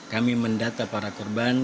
kami mendata para korban